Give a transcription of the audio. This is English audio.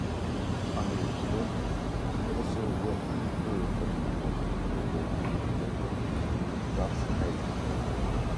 Under a pseudonym he also wrote the Feuilleton of Goebbels newspapers “Das Reich”.